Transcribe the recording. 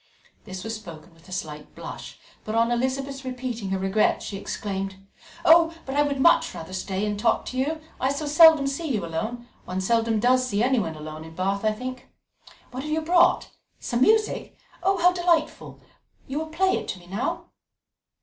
This was spoken with a slight blush, but on Elizabeth's repeating her regrets she exclaimed: "Oh, but I would much rather stay and talk to you. I so seldom see you alone; one seldom does see anyone alone in Bath, I think. What have you brought? Some music? How delightful! You will play it to me now."